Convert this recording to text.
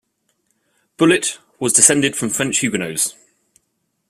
Bullitt was descended from French Huguenots.